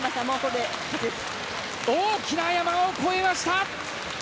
大きな山を越えました！